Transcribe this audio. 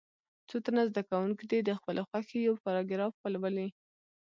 څو تنه زده کوونکي دې د خپلې خوښې یو پاراګراف ولولي.